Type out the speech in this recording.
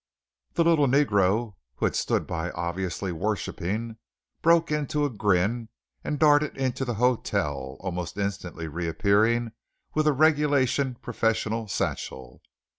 The little negro, who had stood by obviously worshipping, broke into a grin and darted into the hotel, almost instantly reappearing with a regulation professional satchel.